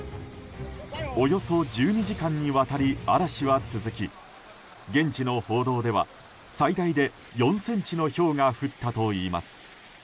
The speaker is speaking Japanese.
およそ１２時間にわたり嵐は続き現地の報道では最大で４ｃｍのひょうが降ったといいます。